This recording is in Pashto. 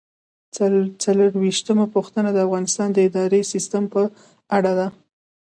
څلرویشتمه پوښتنه د افغانستان د اداري سیسټم په اړه ده.